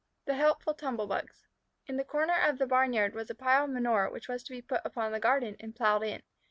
THE HELPFUL TUMBLE BUGS In the corner of the barnyard was a pile of manure which was to be put upon the garden and plowed in.